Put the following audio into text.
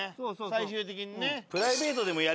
最終的にね。